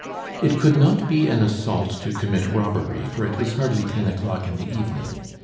It could not be an assault to commit robbery, for it was hardly ten o'clock in the evening.